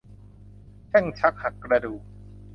แช่งชักหักกระดูก